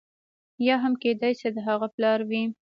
یا هم کېدای شي د هغه پلار وي.